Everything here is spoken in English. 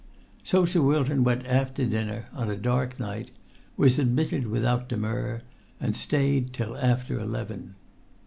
So Sir Wilton went after dinner, on a dark night; was admitted without demur; and stayed till after eleven.